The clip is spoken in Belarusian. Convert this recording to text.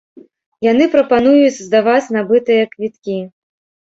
Яны прапануюць здаваць набытыя квіткі.